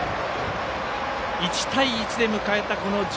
１対１で迎えた